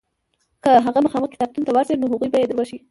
که هغه مخامخ کتابتون ته ورشې نو هغوی به یې در وښیي.